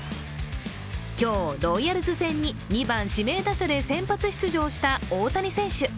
今日、ロイヤルズ戦に２番・指名打者で先発出場した大谷選手。